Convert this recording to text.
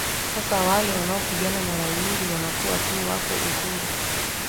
sasa wale wanaopigana mara nyingi wanakuwa tu wako uhuru